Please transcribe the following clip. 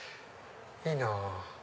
いいなぁ。